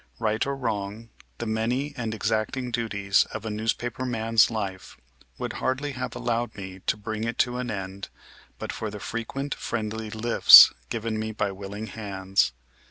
Eight or wrong, the many and exacting duties of a newspaper man's life would hardly have allowed me to bring it to an end but for frequent friendly lifts given ine by willing iiands.